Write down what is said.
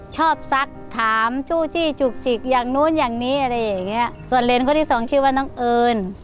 ซักถามจู่จี้จุกจิกอย่างนู้นอย่างนี้อะไรอย่างเงี้ยส่วนเลนคนที่สองชื่อว่าน้องเอิญ